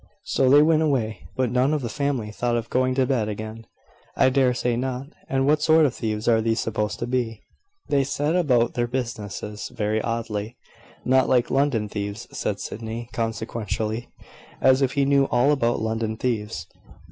So they went away; but none of the family thought of going to bed again." "I dare say not. And what sort of thieves are these supposed to be? They set about their business very oddly." "Not like London thieves," said Sydney, consequentially, as if he knew all about London thieves.